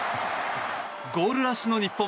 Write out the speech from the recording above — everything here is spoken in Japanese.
ゴールラッシュの日本